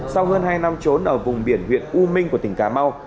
sau hơn hai năm trốn ở vùng biển huyện u minh của tỉnh cà mau